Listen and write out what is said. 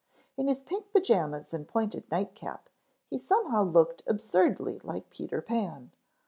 In his pink pajamas and pointed nightcap, he somehow looked absurdly like Peter Pan.